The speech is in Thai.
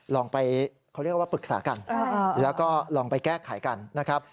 ลองไปเขาเรียกว่าปรึกษากันแล้วก็ลองไปแก้ไขกันนะครับ